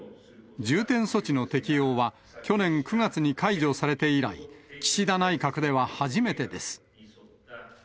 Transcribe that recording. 重点措置の適用は去年９月に解除されて以来、岸田内閣では初めてです。